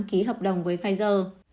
ký hợp đồng với pfizer